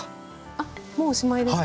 あっもうおしまいですか？